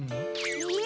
えっ？